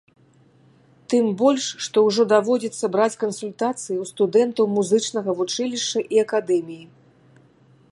Тым больш, што ўжо даводзіцца браць кансультацыі ў студэнтаў музычнага вучылішча і акадэміі.